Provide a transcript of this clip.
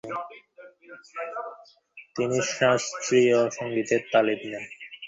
তিনি শাস্ত্রীয় সংগীতের তালিম নেন।